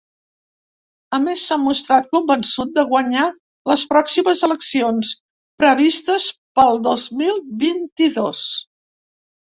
A més, s’ha mostrat convençut de guanyar les pròximes eleccions, previstes pel dos mil vint-i-dos.